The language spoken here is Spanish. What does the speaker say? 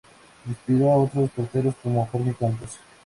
Inspiró a otros porteros como Jorge Campos.